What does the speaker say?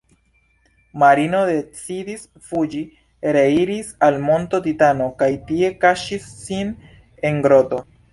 Marino decidis fuĝi, reiris al Monto Titano kaj tie kaŝis sin en groto.